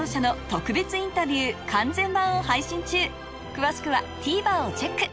詳しくはＴＶｅｒをチェック